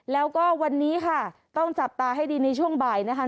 แล้วก็วันนี้ค่ะต้องจับตาให้ดีในช่วงบ่ายนะคะ